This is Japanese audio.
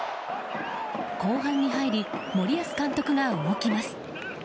後半に入り森保監督が動きます。